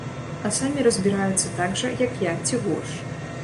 А самі разбіраюцца так жа, як я, ці горш.